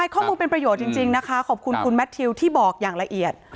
ข้อมูลเป็นประโยชน์จริงนะคะขอบคุณคุณแมททิวที่บอกอย่างละเอียด